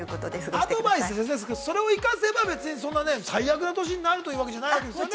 ◆アドバイス、それを生かせば、最悪な年になるというわけじゃないですよね。